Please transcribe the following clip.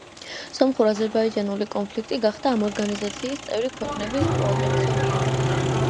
სომხურ-აზერბაიჯანული კონფლიქტი გახდა ამ ორგანიზაციის წევრი ქვეყნების ყურადღების ობიექტი.